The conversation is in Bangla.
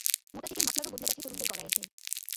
মোটা চেকের মাফলারও বদলে গেছে তরুণদের গলায় এসে।